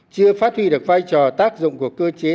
chưa phát huy được vai trò tác dụng của cơ chế